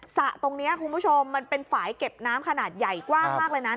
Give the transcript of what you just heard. สระตรงนี้คุณผู้ชมมันเป็นฝ่ายเก็บน้ำขนาดใหญ่กว้างมากเลยนะ